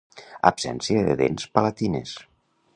Absència de dents palatines.